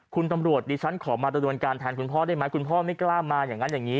คุณตำรวจดิฉันขอมาดำเนินการแทนคุณพ่อได้ไหมคุณพ่อไม่กล้ามาอย่างนั้นอย่างนี้